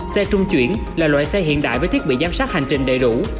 xe trung chuyển là loại xe hiện đại với thiết bị giám sát hành trình đầy đủ